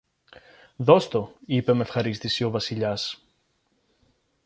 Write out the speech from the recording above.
Δώσ' το, είπε μ' ευχαρίστηση ο Βασιλιάς.